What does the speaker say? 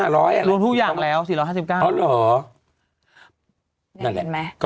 รวมทุกอย่างรวมทุกอย่าง